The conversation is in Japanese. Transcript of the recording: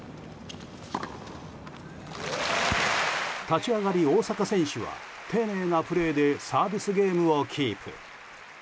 立ち上がり大坂選手は丁寧なプレーでサービスゲームをキープ。